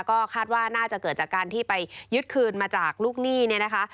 ก็คาดว่าน่าจะเกิดจากการที่ไปยึดคืนมาจากลูกหนี้เนี่ยนะคะ